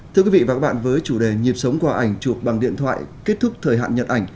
thưa quý vị và các bạn với chủ đề nhịp sống qua ảnh chụp bằng điện thoại kết thúc thời hạn nhận ảnh